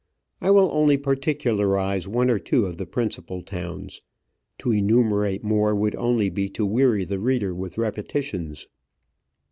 I will only particularise one or two of the principal towns; to enumerate more would only be to weary the reader with repetitions.